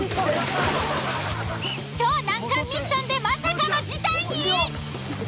超難関ミッションでまさかの事態に！？